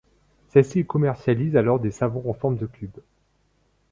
Celle-ci commercialise alors des savons en forme de cube.